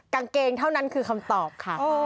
กางเกงเท่านั้นคือคำตอบค่ะ